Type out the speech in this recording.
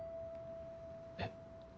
えっ？